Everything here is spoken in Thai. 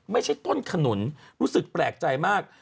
ไม่ใช่ต้นขนุนรู้สึกแปลกใจมาก